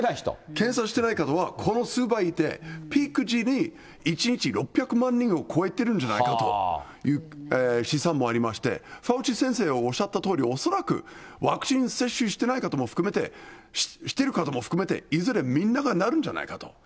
検査していない方はこの数倍いて、ピーク時に１日６００万人を超えてるんじゃないかという試算もありまして、ファウチ先生がおっしゃったとおり、恐らく、ワクチン接種してない方も含めて、している方も含めて、いずれみんながなるんじゃないかと。